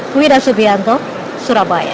kuida subianto surabaya